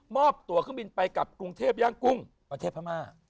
อบตัวเครื่องบินไปกับกรุงเทพย่างกุ้งประเทศพม่า